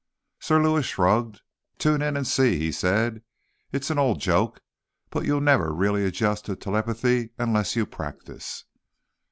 Sir Lewis shrugged. "Tune in and see," he said. "It's an old joke; but you'll never really adjust to telepathy unless you practice."